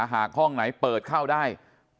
หากห้องไหนเปิดเข้าได้เปิดเข้าไป